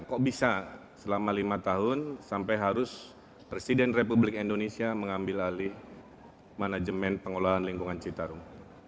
kok bisa selama lima tahun sampai harus presiden republik indonesia mengambil alih manajemen pengelolaan lingkungan citarum